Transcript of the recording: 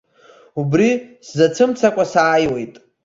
Убри сзацәымцакәа сааиуеит.